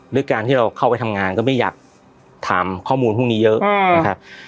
ด้วยการที่เราเข้าไปทำงานก็ไม่อยากถามข้อมูลพวกนี้เยอะนะครับ